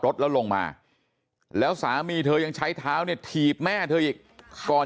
รถแล้วลงมาแล้วสามีเธอยังใช้เท้าเนี่ยถีบแม่เธออีกก่อน